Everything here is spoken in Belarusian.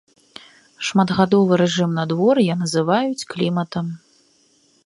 Шматгадовы рэжым надвор'я называюць кліматам.